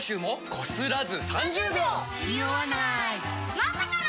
まさかの。